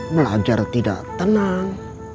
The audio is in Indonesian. belajar tidak tenang